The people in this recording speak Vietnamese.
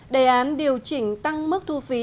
đề án điều chỉnh tăng mức thu phí